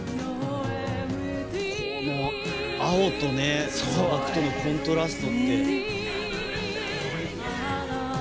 空の青と砂漠とのコントラストがね。